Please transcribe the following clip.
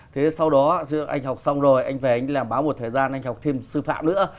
thế sau đó anh học xong rồi anh về anh làm báo một thời gian anh học thêm sư phạm nữa